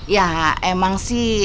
ya emang sih